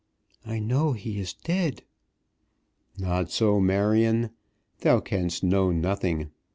"I know he is dead." "Not so, Marion. Thou canst know nothing.